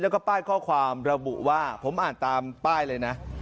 แล้วก็ป้ายข้อความระบุว่าผมอ่านตามป้ายเลยนะ